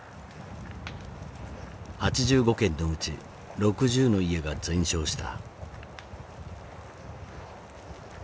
８５軒のうち６０の家が全焼した。